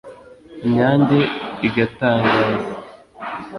Inyange igatangaza